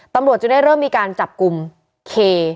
ตำรวจจึงได้เริ่มมีการจับกลุ่มเค